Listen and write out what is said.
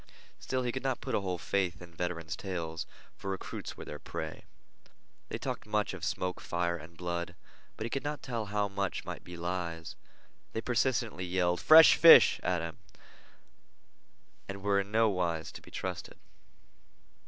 Still, he could not put a whole faith in veteran's tales, for recruits were their prey. They talked much of smoke, fire, and blood, but he could not tell how much might be lies. They persistently yelled "Fresh fish!" at him, and were in no wise to be trusted.